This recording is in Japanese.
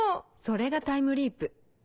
それがタイムリープ。